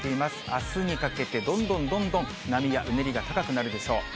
あすにかけてどんどんどんどん波やうねりが高くなるでしょう。